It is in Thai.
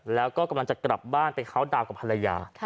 แล้วก็กำลังจะกลับบ้านไปเคาน์ดาวนกับภรรยา